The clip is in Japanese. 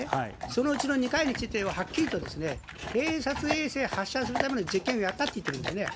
そのうちの２回については、はっきりと、偵察衛星発射のための実験をやったと言っているんですね。